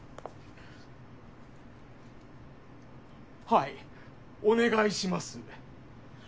はいお願いします。